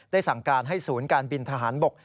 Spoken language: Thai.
สั่งการให้ศูนย์การบินทหารบก